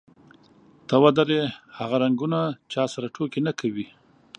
ته ودرې، هغه رنګونه چا سره ټوکې نه کوي.